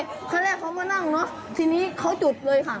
อู่ฮู้ตั้งแต่เขามานั่งนะคะทีนี้เค้าจุดเลยค่ะ